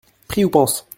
Prie ou pense.